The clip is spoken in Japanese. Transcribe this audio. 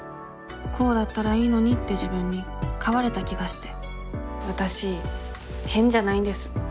こうだったらいいのにって自分に変われた気がしてわたし変じゃないんです。